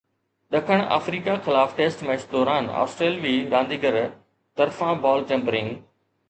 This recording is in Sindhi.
ڏکڻ آفريڪا خلاف ٽيسٽ ميچ دوران آسٽريلوي رانديگر طرفان بال ٽيمپرنگ